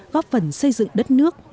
góp phần xây dựng đất nước